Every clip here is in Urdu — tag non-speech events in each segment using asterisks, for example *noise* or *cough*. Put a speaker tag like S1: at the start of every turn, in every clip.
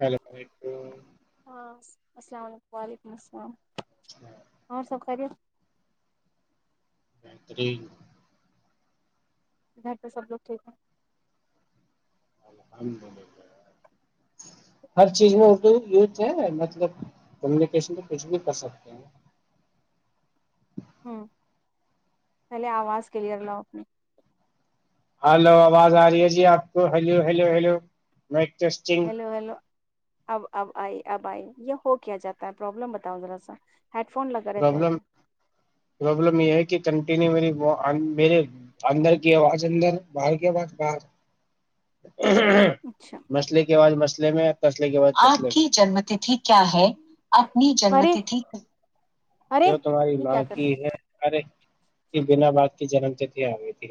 S1: اللام علیکم
S2: ہاں السلام علیکم اور سب کرے
S1: بتری
S2: اھر تو سب لوگ ٹھیک ہے
S1: الحمد للہ ہر چیز میں اردو یوز ہے مطلب کمیونیکیشن تو کچھ بھی کر سکتے ہیں
S2: ہوں پہلے آواز کلیئر لاؤ اپنی
S1: ہلو آواز آ رہی ہے جی آپ کو ہلو ہلو ہیلو میں ٹیسٹینگ
S2: ہیلو ہیلو اب اب آئی اب آئی یہ ہو کیا جاتا ہے پرابلم بتاؤں ذرا سا ہیڈ فون لگا رہتا ہے
S1: پرابلم
S2: کیا
S1: پرابلم یہ ہے کہ کنٹینیو میری وہ میرے اندر کی آواز اندر باہر کی آواز باہر
S2: اچھا
S1: مسئلے کے بعاز مسلے میں *unintelligible* جنم تتھی کیا ہے اپنی جنم
S2: ارے
S1: تتھی
S2: ارے
S1: جو تمہاری
S2: یہ
S1: ماں
S2: کیا کر
S1: کی
S2: رہے
S1: ہے ارے یہ بنا بعد کی جنم تھی آ تھی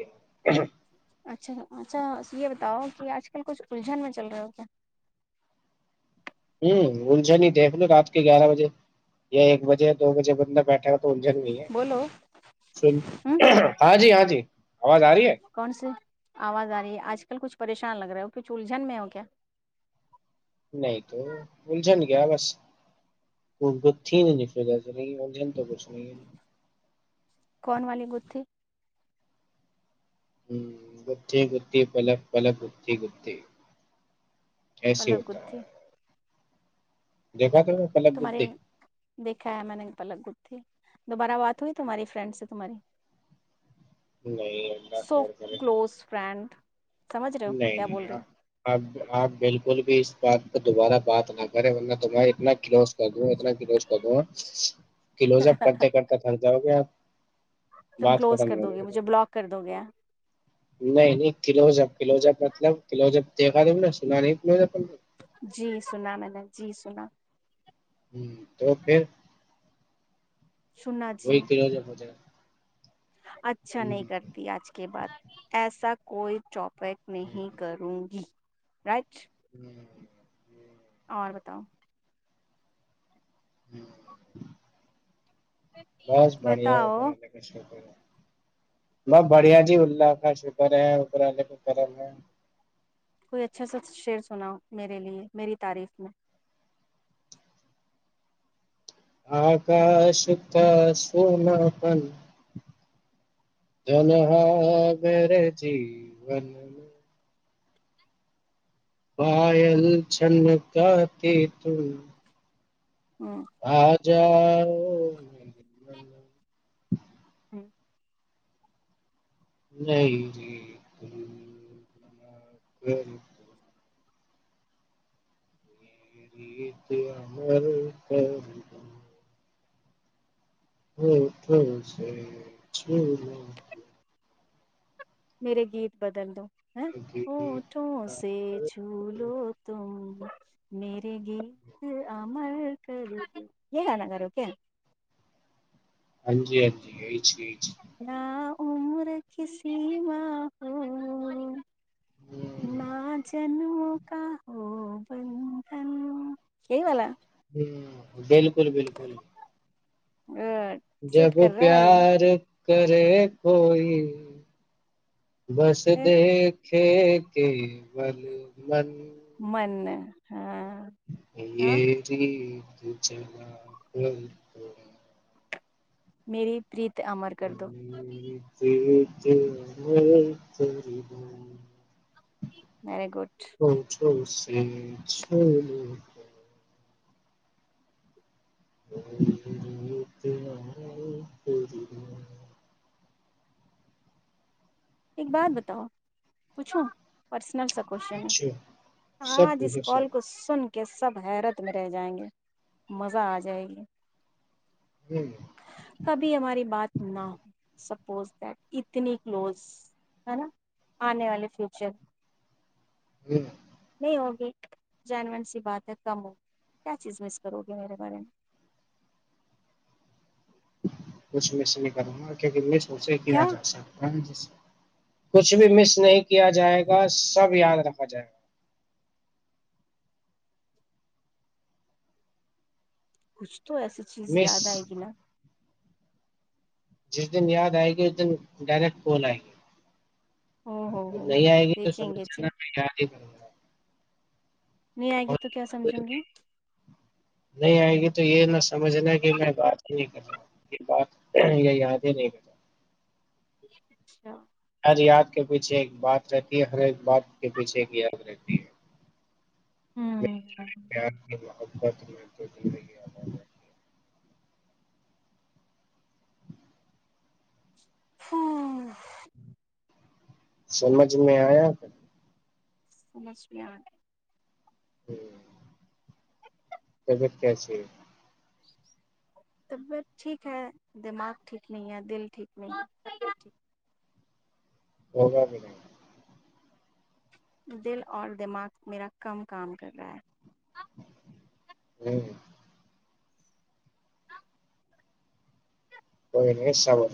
S2: اچھا اچھا یہ بتاؤ کہ آج کل کچھ الجھن میں چل رہا ہو کیا
S1: ہوں الجھن دیکھ لو رات کے گیارہ بجے یا ایک بجے یا دو بجے بندہ بیٹھا ہو جھن نہیں ہے
S2: بولو ہوں
S1: ہاں جی ہاں جی آواز آ رہی ہے
S2: کون سی آواز آ رہی ہے آج کل کچھ پریشان لگ رہا ہے ہو کھ ال الجھن میں ہو کیا
S1: نہیں تو بولج ن گ بس اگھی نہیں نک ج نہیں تو کچھ نہیں
S2: کون والی گھیھی
S1: ہوں گتی گتی پلک پلک گتی گتی
S2: پلک گھی تمہاریے دیکھا ہے میں نے پلک گ دوبارہ بات ہوئی تمہاری فرینڈ سے تمہاری
S1: نہیں ان
S2: سو
S1: کر
S2: کلوز فرینڈ سمجھ رہے ہو
S1: نہیں
S2: کیا بول
S1: نہیں
S2: رہی ہوں؟
S1: اب آپ بالکل بھی اس بات پہ دوبارہ بات نہ کریں ورنہ دومہارے اتنا گلوز کر دوں اتنا گلوز کر دوںا کلوز اپ کرتے کرتے تھک جاؤ گے آپ
S2: تم کلوز کر دو گے مجھے بلاک کر دو گے
S1: نہیں نہیں کلو ہو جب کلو جب مطلب کلو ج دیکھا تو سنا نہیں
S2: جی سنا میں نے جی سنا
S1: ہ تو پھر
S2: سنا جی
S1: وہی کرو ج ہوتےا
S2: اچھا نہیں کرتی آج کے بعد ایسا کوئی چپ پیک نہیں کروں گی رائ *unintelligible*
S1: جی *inaudible*
S2: اور بتاؤ
S1: ہوں بس بڑھیا اپر
S2: بتاؤ
S1: ا کش کر بہت بڑھیا جی اللہ کا شکر ہے ابرے کو کرم ہے
S2: کوئی اچھا سا شعر سنا میرے لیئے میری تعریف میں
S1: آکاش کا سونا پن جلح میرے جین پائل چھن گ ت تم
S2: ہ
S1: آ ج ا *unintelligible*
S2: جی *unintelligible*
S1: نہیں *unintelligible* ریت ہممر کر ہ ٹھ ج *unintelligible*
S2: میرے گیت بدل دو ا وہ ٹھوں سے جھ ل تم میرے گیت امر کر یہ گانا کرو کیا
S1: ہاں جی ہاں جی مھچ *unintelligible*
S2: امر کیسیی ب ہ ن چ و کا ہو بندھن کہ والال
S1: ہ بالکل بالکل بالکل
S2: سوٹ
S1: جب
S2: کر رہا ہے
S1: پیار کرے کوئی بس
S2: یہ
S1: تو کھیتی بل من
S2: من ہاں ہاں
S1: یہری ا *inaudible*
S2: میری پریت امر کر دو
S1: ہ ج *unintelligible* د دری
S2: ویری گڈ
S1: *unintelligible* ہ چو *unintelligible* ا چھ ب ت ن پور *unintelligible*
S2: ایک بات بتاؤ پوچھو پرس نر سا کوشن آ جس کال کو سن کر کہ سب حیرت میں رہ جائیں گے مزہ آ جائے گی
S1: جی
S2: کبھی ہماری بات نہ ہو سپوز دیٹ اتنی کلوز ہے نا آنے والے فیوچر نہیں ہوگی جینون سی بات ہے کم ہو کیا چیز مس کرو گے میرے بارے میں
S1: بس میں سے نہیں کر رہا گا کیک سوچے کیا جا سکتا ہے جسے کچھ بھی مس نہیں کیا جائے گا سب یاد رکھا جائے گا
S2: کچھ تو ایسی چیز یاد آئے گی نا
S1: جس دن یاد آئے گی اس دن ڈائریکٹ کال آئے گی
S2: او ہو
S1: اور
S2: ہو ہو،
S1: نہیں آئے گی تو
S2: دیکھیں
S1: سمجھ
S2: گے جی
S1: جا یاد ہی پا
S2: نہیں آئے گی تو کیا سمجھوں گی
S1: نہیں آئے گی تو یہ نہ سمجھنا کہ میں بات ہی نہیں کر رہا ہ یہ بات یہ یاد ہی نہیں کر رہا
S2: اچھا *unintelligible*
S1: ہر یاد کے پیچھے ایک بات رہتی ہے ہر ایک بات کے پیچھے ایک یاد رہتی ہے
S2: ہوں
S1: پت م تو م گ *unintelligible*
S2: ہاں
S1: سمجھ میں آیا
S2: سمش *unintelligible*
S1: ہوں کیا
S2: طبیعت ٹھیک ہے دماغ ٹھیک نہیں ہے دل ٹھیک نہیں ہے
S1: ہوگا بھی نہیں
S2: دل اور دماغ میرا کم کام کر رہا ہے
S1: ہوں کوئینے سا رہ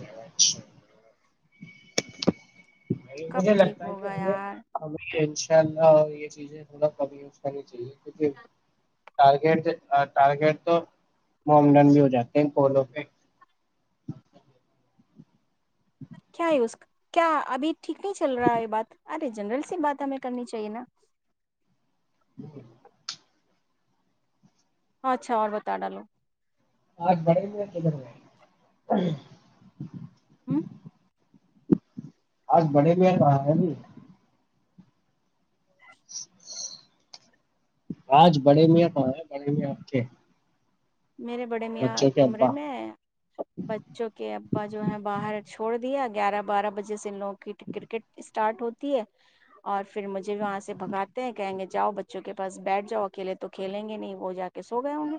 S1: نہیں
S2: کب
S1: مجھے
S2: ٹھیک
S1: لگتا ہے کہ
S2: ہوگا یار
S1: ہمیں ان شاء اللہ یہ چیزیں تھا کب یوز کرنی چاہیے ج ٹارگیٹ ٹارگیٹ تو ممڈن بھی ہو جاتے ہیں پولوں پہ
S2: کیا ہے اس کا کیا ابھی ٹھیک نہیں چل رہا ہے یہ بات ارے جنرل سے بات ہمیں کرنی چاہیے نا
S1: ج
S2: اچھا اور بتا ڈالو
S1: آج بڑے کدھر میں
S2: ہوں
S1: آج بڑے ب وہ ہیں نہیں آج بڑے میاں تو ہے بڑے مں آپ کے
S2: میرے بڑے میاں کمرے میں بچوں کے ابا جو ہے باہر چھوڑ دیا گیارہ بارہ بجے سے لوگ کرکٹ اس اسٹارٹ ہوتی ہے اور پھر مجھے وہاں سےھگاتے ہیں کہیں گے جاؤ بچوں کے پاس بیٹھ جاؤ اکیلے تو کھیلیں گے نہیں وہ جا کے سو گئے ہوں گے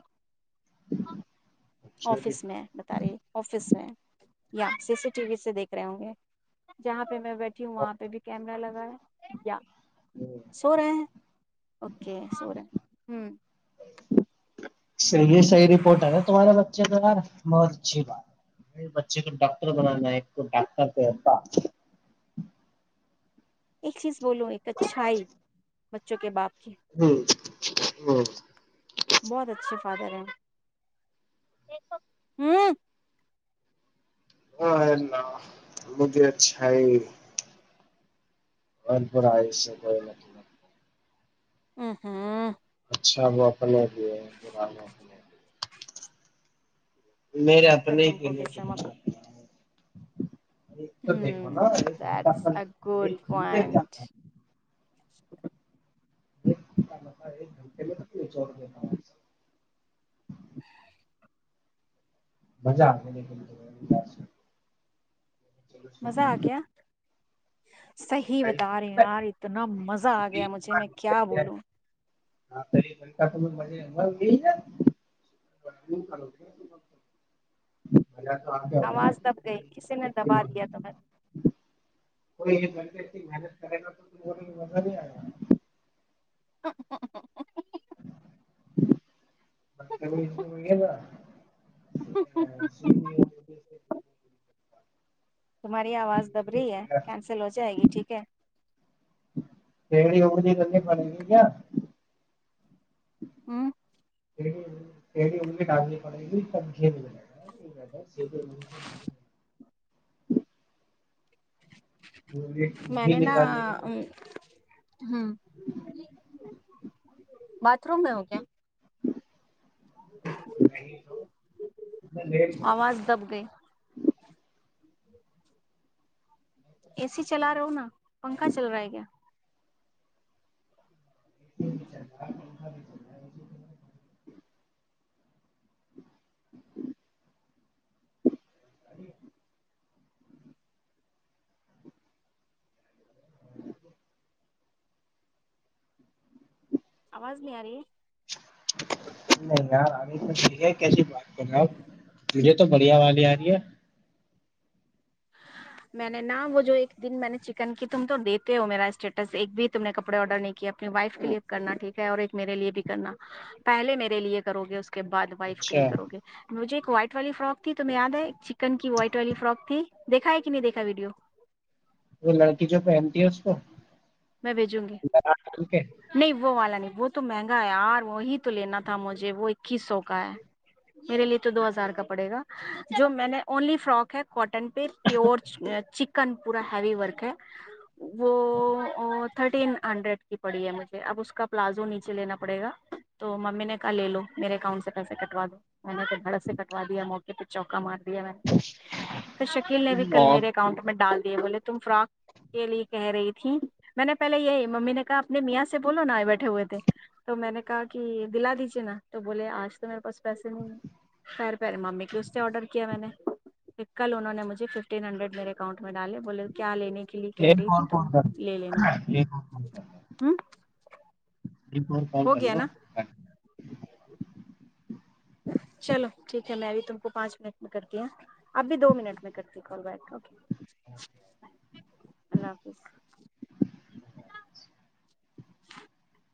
S2: آفس میں بتا رہی آفس میں یا سی سی ٹی وی سے دیکھ رہے ہوں گے جہاں پہ میں بیٹھی ہوں وہاںہ بھی کیمر لگا یا سو رہے ہیں اوکے سورن ہوں
S1: س یہح رپورٹ ہےا تمہارے بچے یار بہت اچھی بات بچے کو ڈاکٹر بنانا ہے ایک کو ڈاکٹر دتا
S2: ایک چیز بولو ایک اچھائی بچوں کے باپ کی
S1: ہوں ہوں
S2: بہت اچھے فادر ہیں ہ
S1: ہاںلہ مجھے اچھ ہے بھرپور آیش کوئی م
S2: ا ہاں
S1: اچھا بت اپنے بھی ہے بران اپنے بھی میرے یہ پ
S2: پھر
S1: نہیں
S2: تم کو
S1: ہ
S2: کس سے مت ہوں
S1: ایک تو دیکھ نا
S2: دیٹس ا
S1: گ
S2: ھم
S1: ایک ہ ایک گھنٹے میں ککے چڑ لتا مزہ آ
S2: مزہ آ گیا صحیح بتا رہی یار اتنا مزہ آ گیا مجھے میں کیا بولوں
S1: ہاں تو یہ بڑک تو میں مجے گئی ن
S2: آواز دب گئی کسی نے دبا لیا تمہیں
S1: کوئی محنت کرے گا تو مزہ نہیں آیا
S2: ا ہ
S1: ب تھا
S2: تمہاری آواز دب رہی ہے کینسل ہو جائے گی ٹھیک ہے
S1: پڑی اڑتیی تو نہیں بڑ گئی کیا
S2: ہوں
S1: ڈان پا بھی نکالنے کے
S2: ہ بھ روم میں ہو کیا
S1: نہیں تو
S2: آواز دب گئی اے سی چلا رہا ہو نا پنکھا چل رہا ہے کیا
S1: ہ سہی
S2: آواز نہیں آ رہی ہے
S1: نہیں یار ابھی تو ٹھیک ہے کیسی بات کر رہا آپ مجھے تو بڑھیا والی آ رہی ہے
S2: میں نے نہا وہ جو ایک دن میں نے چکن کی تم تو دیتے ہو میرا اسٹیٹس ایک بھی تم نے کپڑے آڈر نہیں اپنی وائف کے لیے کرنا ٹھیک ہے اور ایک میرے لیے بھی کرنا پہلے میرے لیے کرو گے کے بعد وائف کے لیے کرو گے مجھے وائٹ والی فراک ت تومہیں د ایک چکن کی وائٹ والی فروک تھییکا ایک نہیں دیکھا ویڈیو
S1: تو لڑکی جو پہمتی ہو *inaudible*
S2: میں بھیجوں گی نہیں وہ والا نہیں وہ تو مہنگا ہے یار وہی تو لینا تھا مجھے وہ اکیس سو کا ہے میرے لیے تو دو ہزار کا پڑے گا جو میں نے اونلی فراک ہے کوٹ پ پیور کن پورا ہیوی ورک ہے وہ ا تھرٹین ہنڈریڈ کی پڑی ہے مجھے اب اس کا پلازو نیچے لینا پڑے گا تو ممی نے کہا لے لو میرے اکانٹ سے پیسے کٹا دو میں نے پھر دھڑک سے کٹوا دیا موقع پہ چوکا مار میں توھر شکیل نے بھی کل میرے اکاؤنٹ میں ڈال بولے تم فراک کے لیے کہہ رہی تھی *unintelligible* میں نے پہلے یہی ممی نے کہا اپنے میاں سے بولو نا آئے بیٹھے ہوئے تھے تو میں نے کہا کہ دلا دیجیے نا تو بولے آج تو میرے پاس پیسے نہیں خیر پیرے ممی کی اس سے آرڈر کیا میں نےھر کل انہوں نے مجھے ففٹین ہنڈریڈ میرے اکاؤنٹ میں ڈالے بولے کیا لینے *unintelligible*
S1: ن
S2: رہی
S1: کون
S2: تھی تم
S1: کونتار
S2: لے لینا
S1: *unintelligible* یہم کر
S2: ہوں
S1: *unintelligible* ایک کال
S2: ہو
S1: کر
S2: گیا
S1: لو
S2: نا
S1: *unintelligible*
S2: چلو ٹھیک ہے میں ابھی تم کو پانچ منٹ میں کرتی ہ اب بھی دو منٹ میں کرتی کال بیک اوکے اللہ حافظ *unintelligible*